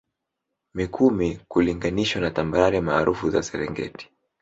mikumi kulinganishwa na tambarare maarufu za serengeti